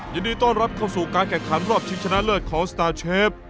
ยินดีต้อนรับเข้าสู่การแข่งขันรอบชิงชนะเลิศของสตาร์เชฟ